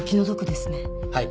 はい。